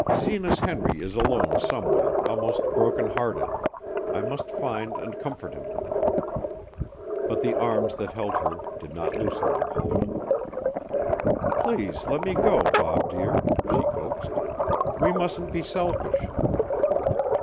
"Zenas Henry is alone somewhere, almost broken hearted; I must find and comfort him." But the arms that held her did not loosen their hold. "Please let me go, Bob dear," she coaxed. "We mustn't be selfish."